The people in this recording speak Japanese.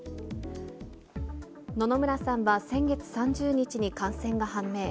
野々村さんは先月３０日に感染が判明。